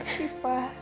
udah jaga sifat